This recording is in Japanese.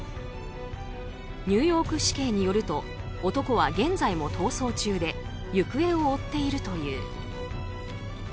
ニューヨーク市警によると男は現在も逃走中で行方を追っているという。